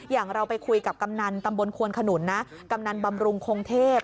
อย่างเราไปคุยกับกำนันตำบลควนขนุนนะกำนันบำรุงคงเทพ